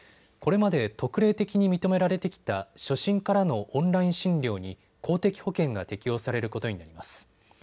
これまで特例的に認められてきた初診からのオンライン診療に公的保険が適用されることになります。